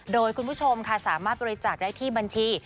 โดยคุณผู้ชมค่ะสามารถบริจาคได้ที่บัญชี